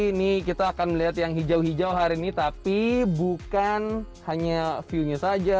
ini kita akan melihat yang hijau hijau hari ini tapi bukan hanya view nya saja